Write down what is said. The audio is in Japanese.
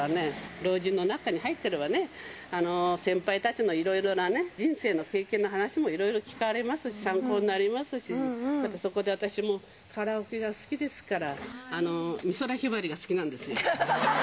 老人の中に入ってればね、先輩たちのいろいろな人生の経験の話も、いろいろ聞かれますし、参考になりますし、またそこで私もカラオケが好きですから、美空ひばりが好きなんですよ。